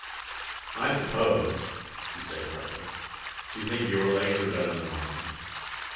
"I suppose," he said tartly, "you think your legs are better than mine?"